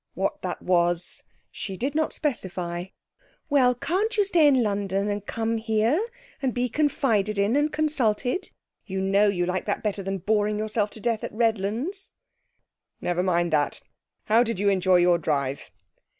What that was she did not specify. 'Well, can't you stay in London and come here, and be confided in and consulted? You know you like that better than boring yourself to death at Redlands.' 'Never mind that. How did you enjoy your drive?'